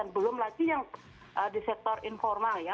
belum lagi yang di sektor informal ya